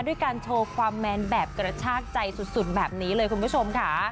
ด้วยการโชว์ความแมนแบบกระชากใจสุดแบบนี้เลยคุณผู้ชมค่ะ